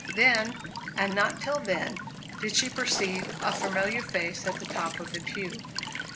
Then, and not till then, did she perceive a familiar face at the top of the pew.